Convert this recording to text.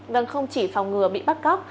vâng không chỉ phòng ngừa bị bắt cóc